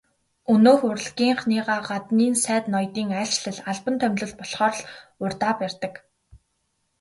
Өнөөх урлагийнхныгаа гаднын сайд ноёдын айлчлал, албан томилолт болохоор л урдаа барьдаг.